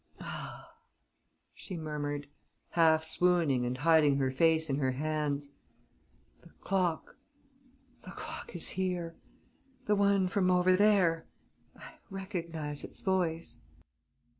"Ah!" she murmured, half swooning and hiding her face in her hands. "The clock ... the clock is here ... the one from over there ... I recognize its voice...."